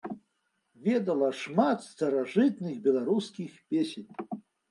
Ведала шмат старажытных беларускіх песень.